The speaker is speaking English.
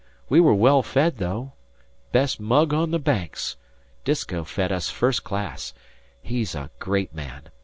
We were well fed, though. But mug on the Banks. Disko fed us first class. He's a great man.